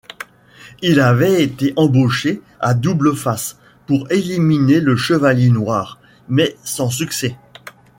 Il avait été embauché par Double-Face pour éliminer le chevalier noir, mais sans succès.